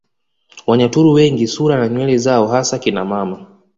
Wanyaturu wengi sura na nywele zao hasa kina mama